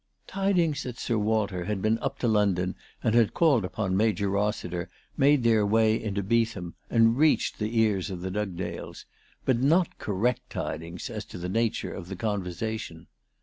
Tidings that Sir Walter had been up to London and had called upon Major Rossiter made their way into Beetham and reached the ears of the Dugdales, but not correct tidings as to the nature of the conversation.